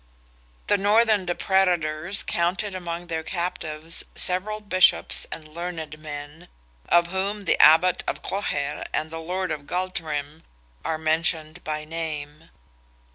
The northern depredators counted among their captives "several Bishops and learned men," of whom the Abbot of Clogher and the Lord of Galtrim are mentioned by name.